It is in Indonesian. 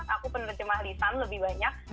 aku penerjemah lisan lebih banyak